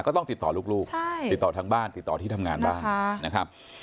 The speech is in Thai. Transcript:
ก็ต้องติดต่อลูกติดต่อทางบ้านติดต่อที่ทำงานบ้างนะครับ